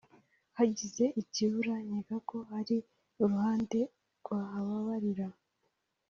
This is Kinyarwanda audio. hagize ikibura nkeka ko hari uruhande rwahababarira